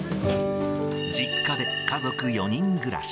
実家で家族４人暮らし。